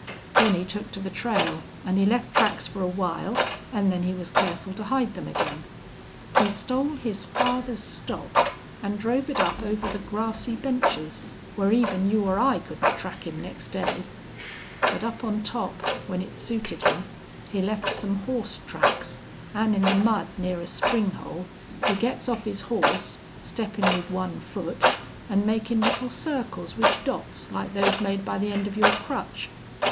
Then he took to the trail, an' he left tracks for a while, an' then he was careful to hide them again. He stole his father's stock an' drove it up over the grassy benches where even you or I couldn't track him next day. But up on top, when it suited him, he left some horse tracks, an' in the mud near a spring hole he gets off his horse, steppin' with one foot an' makin' little circles with dots like those made by the end of your crutch.